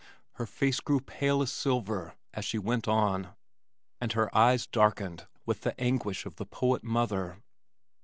Her face grew pale as silver as she went on and her eyes darkened with the anguish of the poet mother.